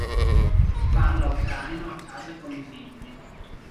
Parla ucraino a casa con i figli.